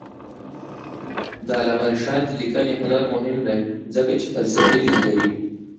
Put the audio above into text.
د علامه رشاد لیکنی هنر مهم دی ځکه چې فلسفي لید لري.